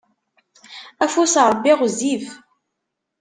Afus n Ṛebbi ɣezzif.